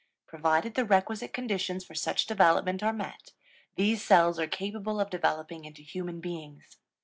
Provided the requisite conditions for such development are met, these cells are capable of developing into human beings.